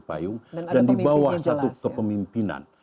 payung dan di bawah satu kepemimpinan